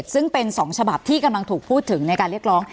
ซึ่งเป็น๒ฉบับที่กำลังถูกพูดถึงในการเรียกร้อง